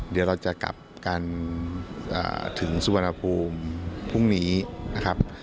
เดี๋ยวเราจะกลับกันถึงสุวรรณภูมิพรุ่งนี้นะครับ